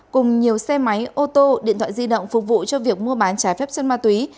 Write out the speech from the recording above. cùng nhiều xe máy ô tô điện thoại di động phục vụ cho việc mua bán trái phép chân ma túy